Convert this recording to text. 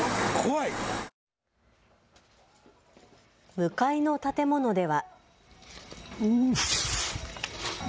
向かいの建物では。